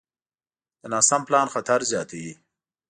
د ناسم پلان خطر زیاتوي.